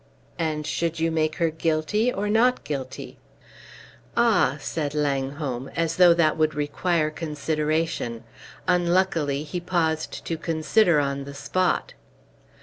"And should you make her guilty or not guilty?" "Ah!" said Langholm, as though that would require consideration; unluckily, he paused to consider on the spot.